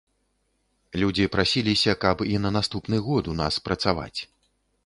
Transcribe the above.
Людзі прасіліся, каб і на наступны год у нас працаваць.